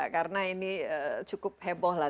karena ini cukup heboh lah